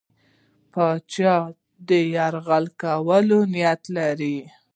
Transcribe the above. پاچا د یرغل کولو نیت لري.